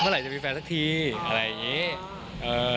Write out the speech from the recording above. เมื่อไหร่จะมีแฟนซักทีอะไรอย่างนี้